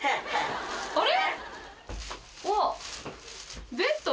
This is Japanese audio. あれ？